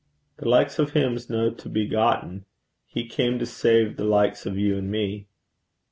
'The likes o' him 's no to be gotten. He cam to save the likes o' you an' me.'